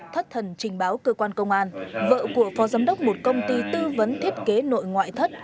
thất thần trình báo cơ quan công an vợ của phó giám đốc một công ty tư vấn thiết kế nội ngoại thất